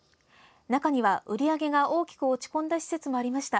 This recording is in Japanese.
中には、売り上げが大きく落ち込んだ施設もありました。